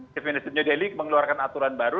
chief minister new delhi mengeluarkan aturan baru